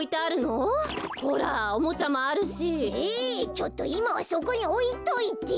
ちょっといまはそこにおいといて。